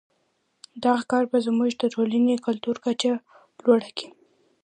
دغه کار به زموږ د ټولنې کلتوري کچه لوړه کړي.